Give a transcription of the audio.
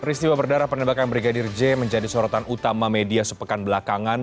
peristiwa berdarah penembakan brigadir j menjadi sorotan utama media sepekan belakangan